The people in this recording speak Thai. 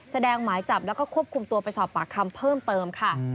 หมายจับแล้วก็ควบคุมตัวไปสอบปากคำเพิ่มเติมค่ะ